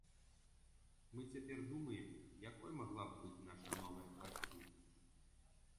Мы цяпер думаем, якой магла б быць наша новая пласцінка.